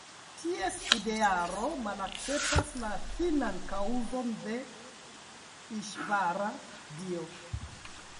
Ties idearo malakceptas la finan kaŭzon de "Iŝvara" (Dio).